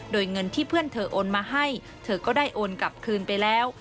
โดยเงินที่เพื่อนเธอโอนมาให้เธอก็ได้โอนกลับคืนไปแล้ว